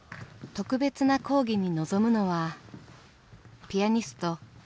特別な講義に臨むのはピアニスト山下洋輔さん。